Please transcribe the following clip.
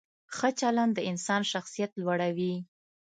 ښه چلند د انسان شخصیت لوړوي.